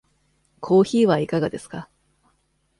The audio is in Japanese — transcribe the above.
コーヒーはいかがですか。